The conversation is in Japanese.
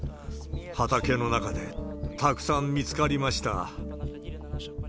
畑の中でたくさん見つかりました。